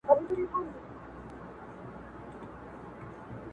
په ویښه مې ليدلی وي